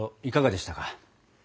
いかがでしたか？